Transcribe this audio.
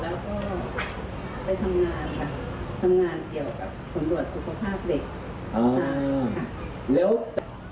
แล้วก็ไปทำงานค่ะทำงานเกี่ยวกับสำรวจสุขภาพเด็กค่ะ